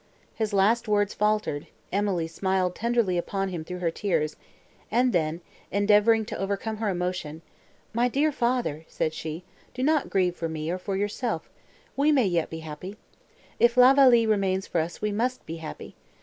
His last words faltered; Emily smiled tenderly upon him through her tears, and then, endeavouring to overcome her emotion, "My dear father," said she, "do not grieve for me, or for yourself; we may yet be happy;—if La Vallée remains for us, we must be happy.